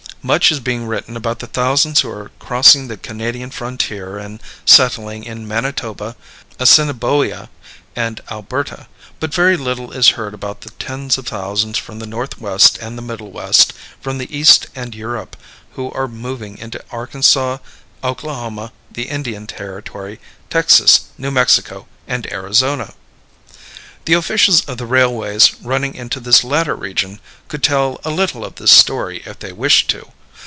Much is written about the thousands who are crossing the Canadian frontier and settling in Manitoba, Assiniboia, and Alberta; but very little is heard about the tens of thousands from the Northwest and the Middle West, from the East and Europe, who are moving into Arkansas, Oklahoma, the Indian Territory, Texas, New Mexico, and Arizona. The officials of the railways running into this latter region could tell a little of this story if they wished to.